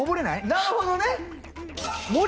なるほどね！